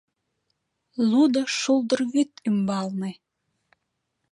Лудо шулдыр вӱд ӱмбалне